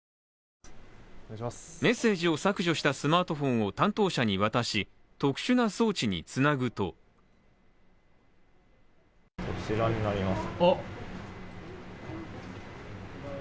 メッセージを削除したスマートフォンを担当者に渡し特殊な装置につなぐとこちらになります。